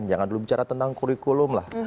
dari malino cnn indonesia